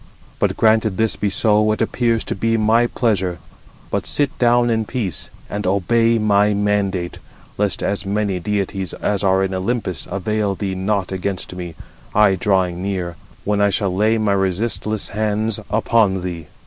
But granted this be so, it appears to be my pleasure. 60 But sit down in peace, and obey my mandate, lest as many deities as are in Olympus avail thee not against me, I drawing near, 61 when I shall lay my resistless hands upon thee."